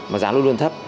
mà giá luôn luôn thấp